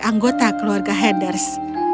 anggota keluarga henders